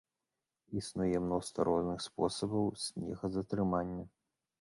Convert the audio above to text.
Існуе мноства розных спосабаў снегазатрымання.